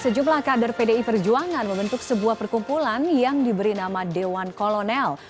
sejumlah kader pdi perjuangan membentuk sebuah perkumpulan yang diberi nama dewan kolonel